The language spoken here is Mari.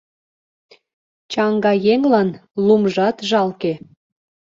— Чаҥга еҥлан лумжат жалке...